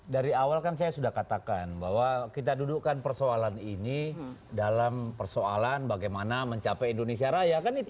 dari awal kan saya sudah katakan bahwa kita dudukkan persoalan ini dalam persoalan bagaimana mencapai indonesia raya